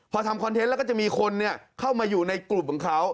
พอทำคอนเทนต์แล้วก็จะมีคนเข้ามาอยู่ในกลุ่มของเขา